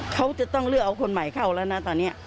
เขาจะต้องเลือกเอาคนใหม่เข้าแล้วนะตอนนี้